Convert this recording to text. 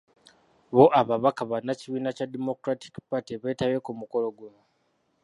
Bo ababaka bannakiibiina kya Democratic Party beetabye ku mukolo guno.